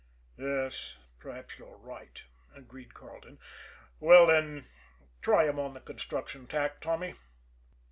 "Yes; perhaps you're right," agreed Carleton. "Well, then, try him on the construction tack, Tommy."